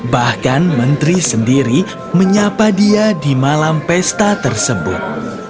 bahkan menteri sendiri menyapa dia di malam pesta tersebut